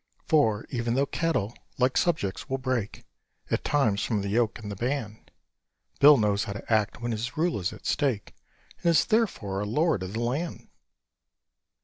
For, even though cattle, like subjects, will break At times from the yoke and the band, Bill knows how to act when his rule is at stake, And is therefore a lord of the land.